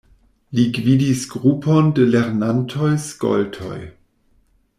Li gvidis grupon da lernantoj-skoltoj.